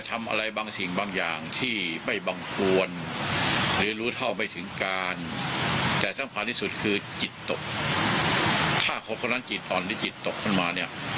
ตอนที่จิตตกขึ้นมา